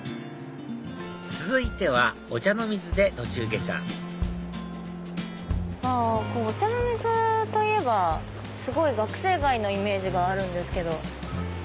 続いては御茶ノ水で途中下車御茶ノ水といえばすごい学生街のイメージがあるんですけど。